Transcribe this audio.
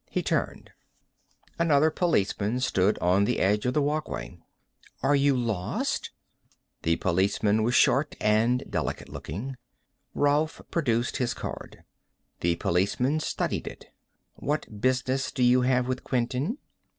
He turned. Another policeman stood on the edge of the walkway. "Are you lost?" The policeman was short and delicate looking. Rolf produced his card. The policeman studied it. "What business do you have with Quinton?"